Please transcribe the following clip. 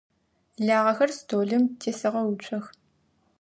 Лагъэхэр столым тесэгъэуцох.